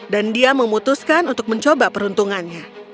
dan dia memutuskan untuk mencoba peruntungannya